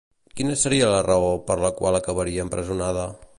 Quina seria la raó per la qual acabaria empresonada?